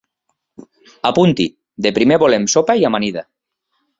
Apunti! De primer volem sopa i amanida.